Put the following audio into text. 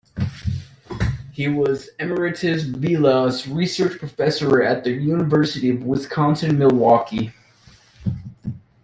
He was Emeritus Vilas Research Professor at the University of Wisconsin-Milwaukee.